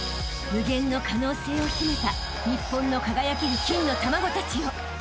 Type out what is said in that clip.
［無限の可能性を秘めた日本の輝ける金の卵たちよ］